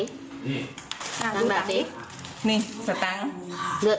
นี่สตาง